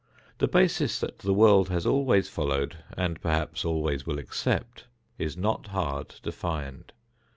The basis that the world has always followed, and perhaps always will accept, is not hard to find.